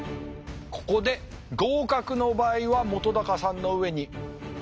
ここで合格の場合は本さんの上に花開きます